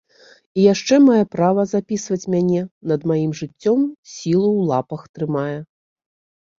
І яшчэ мае права запісваць мяне, над маім жыццём сілу ў лапах трымае.